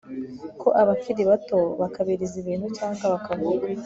ko abakiri bato bakabiriza ibintu cyangwa bakavuga